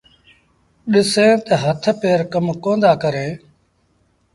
ڏسيٚݩ تآ هٿ پير ڪم ڪوندآ ڪريݩ۔